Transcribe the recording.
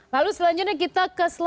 lalu selanjutnya kita ke selanjutnya